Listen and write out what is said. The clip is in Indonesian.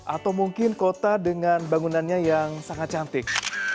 atau mungkin kota dengan bangunannya yang sangat cantik